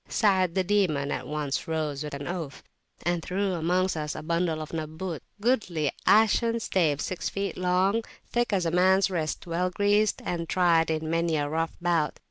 Sa'ad the Demon at once rose with an oath, and threw amongst us a bundle of "Nabbut" goodly ashen staves six feet long, thick as a man's wrist, well greased, and tried in many a rough bout.